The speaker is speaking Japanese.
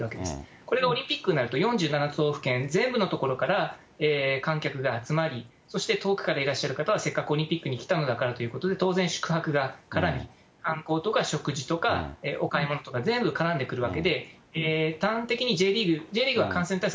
これがオリンピックになると、４７都道府県全部の所から観客が集まり、そして、遠くからいらっしゃる方は、せっかくオリンピックに来たのだからということで、当然、宿泊が絡み、観光とか食事とかお買い物とか全部絡んでくるわけで、端的にＪリーグは感染対策